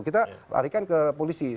kita larikan ke polisi